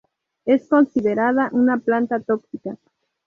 Es considerada una planta tóxica.